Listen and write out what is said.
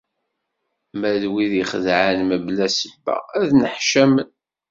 Ma d wid ixeddɛen mebla ssebba, ad nneḥcamen.